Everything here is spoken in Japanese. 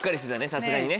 さすがにね。